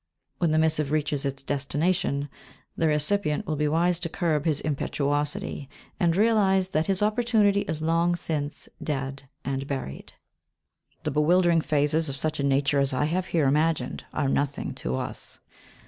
When the missive reaches its destination, the recipient will be wise to curb his impetuosity, and realise that his opportunity is long since dead and buried. The bewildering phases of such a nature as I have here imagined are nothing to us.